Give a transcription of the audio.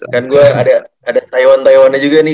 kan gue ada taiwan taiwan nya juga nih